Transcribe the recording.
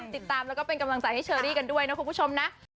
ติดตามแล้วก็เป็นกำลังใจให้เชอรี่กันด้วยนะคุณผู้ชมนะ